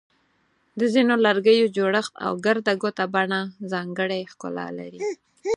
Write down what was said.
د ځینو لرګیو جوړښت او ګرده ګوټه بڼه ځانګړی ښکلا لري.